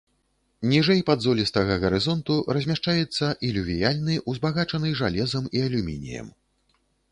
Ніжэй падзолістага гарызонту размяшчаецца ілювіяльны, узбагачаны жалезам і алюмініем.